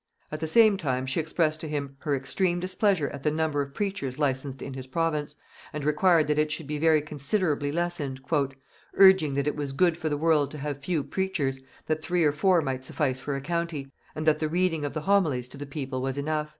At the same time she expressed to him her extreme displeasure at the number of preachers licensed in his province, and required that it should be very considerably lessened, "urging that it was good for the world to have few preachers, that three or four might suffice for a county; and that the reading of the homilies to the people was enough."